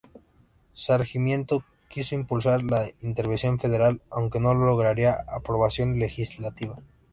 Sarmiento quiso impulsar la intervención federal, aunque no lograría aprobación legislativa.